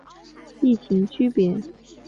异腈区别。